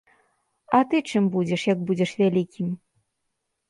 А ты чым будзеш, як будзеш вялікім?